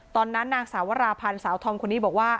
ตอนนั้นนางสาวราพันธ์สาวทอมคนนี้บอกว่า